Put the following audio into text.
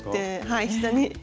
はい膝に。